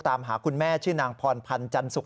ตามหาคุณแม่ชื่อนางพรพันธ์จันสุก